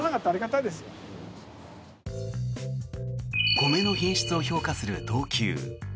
米の品質を評価する等級。